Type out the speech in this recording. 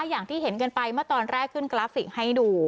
อย่างที่เห็นกันไปเมื่อตอนแรกขึ้นกราฟิกให้ดู